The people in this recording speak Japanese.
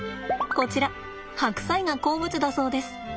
こちら白菜が好物だそうです。